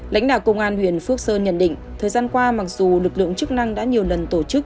lãnh đạo công an huyện phước sơn nhận định thời gian qua mặc dù lực lượng chức năng đã nhiều lần tổ chức